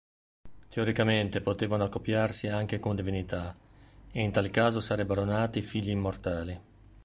Teoricamente potevano accoppiarsi anche con divinità, e in tal caso sarebbero nati figli immortali.